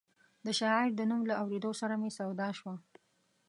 د شاعر د نوم له اورېدو سره مې سودا شوه.